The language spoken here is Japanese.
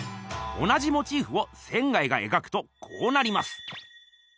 同じモチーフを仙がえがくとこうなります。